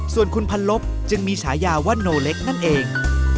ส่วนคุณพันลบจึงมีฉายาว่าโนเล็กนั่นเอง